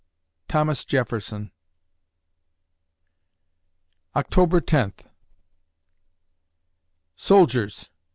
THOMAS JEFFERSON October Tenth Soldiers!